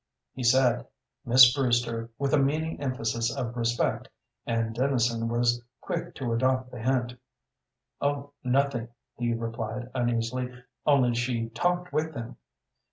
He said "Miss Brewster" with a meaning emphasis of respect, and Dennison was quick to adopt the hint. "Oh, nothing," he replied, uneasily, "only she talked with them."